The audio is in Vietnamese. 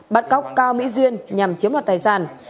bắt cóc cao mỹ duyên nhằm chiếm đoạt tài sản